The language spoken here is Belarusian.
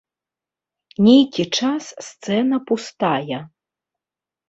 Нейкі час сцэна пустая.